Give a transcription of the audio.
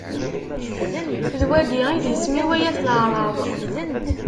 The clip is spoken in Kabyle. D wagi i d isem-iw ay at leɛraḍ.